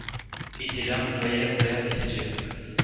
Et des larmes noyaient la colère de ses yeux.